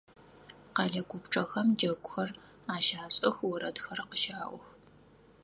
Къэлэ гупчэхэм джэгухэр ащашӏых, орэдхэр къыщаӏох.